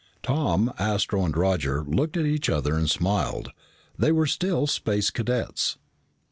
Tom, Astro, and Roger looked at each other and smiled. They were still Space Cadets.